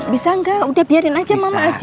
bisa enggak udah biarin aja mama aja